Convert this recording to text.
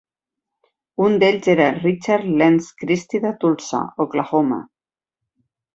Un d'ells era Richard Lance Christie de Tulsa, Oklahoma.